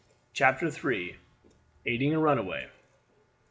CHAPTER III. AIDING A RUNAWAY.